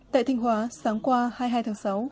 tại thanh hóa sáng qua hai mươi hai tháng sáu